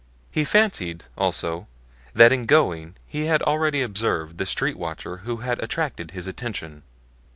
He fancied, also, that in going he had already observed the street watcher who had attracted his attention.